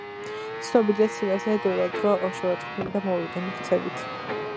ცნობილია სცენაზე დროდადრო შეურაცხმყოფელი და მოულოდნელი ქცევით.